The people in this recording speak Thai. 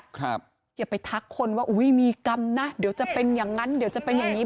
อย่าไปทักคนว่าอุ้ยมีกรรมนะเดี๋ยวจะเป็นอย่างนั้นเดี๋ยวจะเป็นอย่างงี้